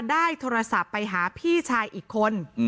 ได้โทรศัพท์ไปหาพี่ชายอีกคน